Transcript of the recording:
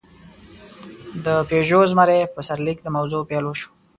د «پيژو زمری» په سرلیک د موضوع پېل وشو.